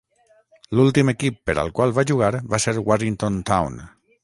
L'últim equip per al qual va jugar va ser Warrington Town.